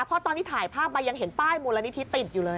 เพราะตอนที่ถ่ายภาพมายังเห็นป้ายมูลนิธิติดอยู่เลย